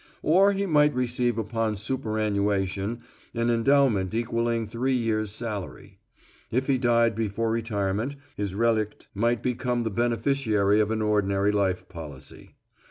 Or he might receive, upon superannuation, an endowment equaling three years' salary. If he died before retirement his relict might become the beneficiary of an ordinary life policy.